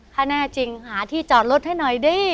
ถ้าแน่จริงหาที่จอดรถให้หน่อยดิ